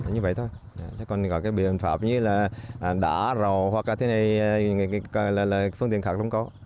như vậy thôi chắc còn có cái biện pháp như là đá rò hoặc là thế này là phương tiện khác không có